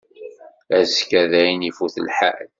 Azekka dayen ifut lḥal.